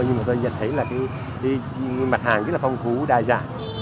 nhưng mà tôi nhận thấy là cái mặt hàng rất là phong phú đa dạng